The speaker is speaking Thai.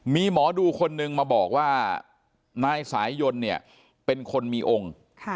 มีหมอดูคนนึงมาบอกว่านายสายยนต์เนี่ยเป็นคนมีองค์